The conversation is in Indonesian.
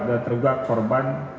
dan terduga korban